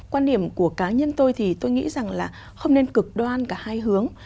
quan điểm của cá nhân tôi thì tôi nghĩ rằng là không nên cực đoan cả hai hướng